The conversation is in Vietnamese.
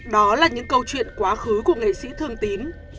đó là những câu chuyện quá khứ của nghệ sĩ thường tín